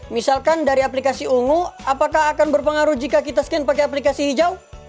misalkan dari aplikasi ungu apakah akan berpengaruh jika kita scan pakai aplikasi hijau